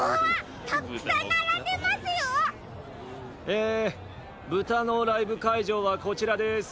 え豚のライブかいじょうはこちらです。